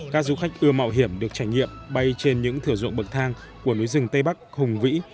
các du khách ưa mạo hiểm được trải nghiệm bay trên những thửa ruộng bậc thang của núi rừng tây bắc hùng vĩ